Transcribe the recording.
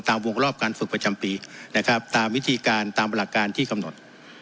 วงรอบการฝึกประจำปีนะครับตามวิธีการตามหลักการที่กำหนด